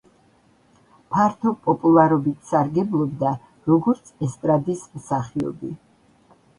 ფართო პოპულარობით სარგებლობდა როგორც ესტრადის მსახიობი.